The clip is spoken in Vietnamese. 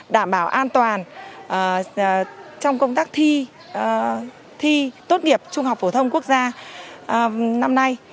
đảm bảo an toàn trong công tác thi tốt nghiệp trung học phổ thông quốc gia năm nay